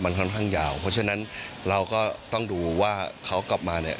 มันค่อนข้างยาวเพราะฉะนั้นเราก็ต้องดูว่าเขากลับมาเนี่ย